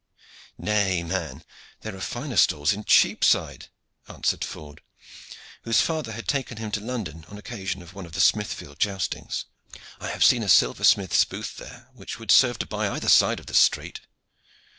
"Nay, man, there are finer stalls in Cheapside," answered Ford, whose father had taken him to London on occasion of one of the Smithfield joustings. "I have seen a silversmith's booth there which would serve to buy either side of this street.